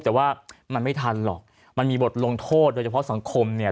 แต่ว่ามันไม่ทันหรอกมันมีบทลงโทษโดยเฉพาะสังคมเนี่ย